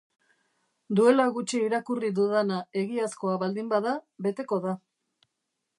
Duela gutxi irakurri dudana egiazkoa baldin bada beteko da.